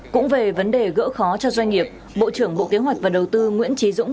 cũng về vấn đề gỡ khó cho doanh nghiệp bộ trưởng bộ kế hoạch và đầu tư nguyễn trí dũng